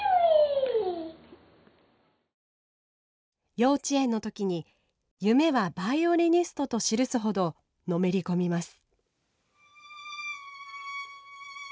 幼稚園の時に夢はバイオリニストと記すほどのめり込みます。